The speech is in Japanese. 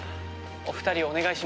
お二人をお願いします。